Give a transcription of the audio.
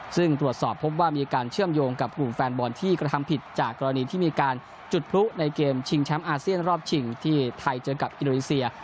ซึ่งตรวจสอบพบว่ามีการเชื่อมโยงกับกลุ่มแฟนบอลที่กระทำผิดจากกรณีที่มีการจุดพลุในเกมชิงแชมป์อาเซียนรอบชิงที่ไทยเจอกับอินโดนีเซีย